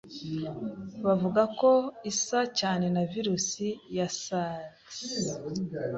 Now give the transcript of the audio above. buvuga ko isa cyane na virus ya Sars